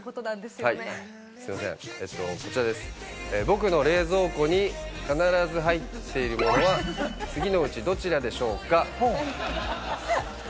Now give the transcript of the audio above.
僕の冷蔵庫に必ず入っているものは次のうちどちらでしょうか？